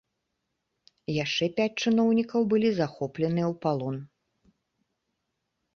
Яшчэ пяць чыноўнікаў былі захопленыя ў палон.